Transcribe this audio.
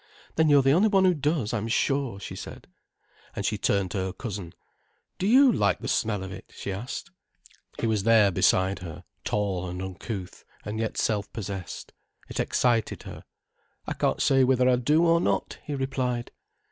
"Then you're the only one who does, I'm sure," she said. And she turned to her cousin. "Do you like the smell of it?" she asked. He was there beside her, tall and uncouth and yet self possessed. It excited her. "I can't say whether I do or not," he replied.